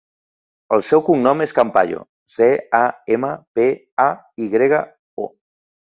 El seu cognom és Campayo: ce, a, ema, pe, a, i grega, o.